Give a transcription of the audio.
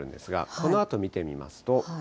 このあと見てみますと。